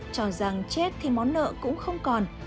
chọn rằng chết thì món nợ cũng không còn